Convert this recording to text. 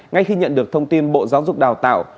ngay khi nhận được thông tin bộ giáo dục đào tạo